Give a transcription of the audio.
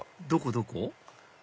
どこ？